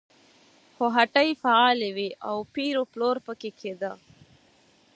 خو هټۍ فعالې وې او پېر و پلور پکې کېده.